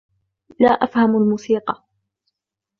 لا أفهم الموسيقى.